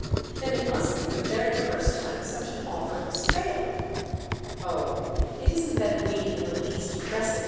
"Then it must be the very first time such an offer has failed." "Oh, it isn't that we in the least press it!"